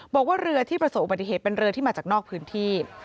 บอกว่าเรือที่ประสบอุบัติเหตุเป็นเรือที่มาจากนอกพื้นที่